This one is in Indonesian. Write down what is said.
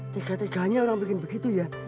tiga tiganya orang bikin begitu ya